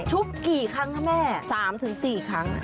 กี่ครั้งคะแม่๓๔ครั้ง